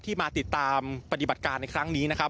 มาติดตามปฏิบัติการในครั้งนี้นะครับ